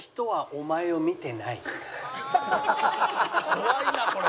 「怖いなこれ」